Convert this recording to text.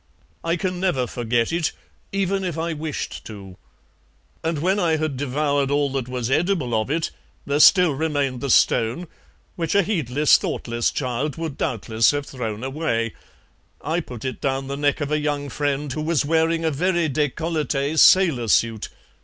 I can never forget it, even if I wished to. And when I had devoured all that was edible of it, there still remained the stone, which a heedless, thoughtless child would doubtless have thrown away; I put it down the neck of a young friend who was wearing a very DÉCOLLETÉ sailor suit.